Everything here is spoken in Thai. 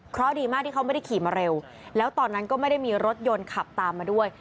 เพราะดีมากที่เขาไม่ได้ขี่มาเร็วแล้วตอนนั้นก็ไม่ได้มีรถยนต์ขับตามมาด้วย